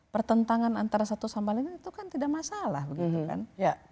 pertentangan antara satu sama lain itu kan tidak masalah begitu kan